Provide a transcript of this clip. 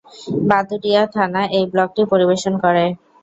বাদুড়িয়া থানা এই ব্লকটি পরিবেশন করে।